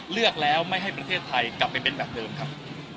เลือกแล้วไม่ให้ประเทศไทยกลับไปเป็นแบบเดิมครับ